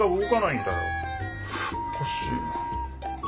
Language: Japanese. おかしいな。